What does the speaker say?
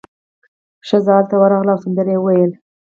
ښځه ال ته ورغله او سندره یې وویله.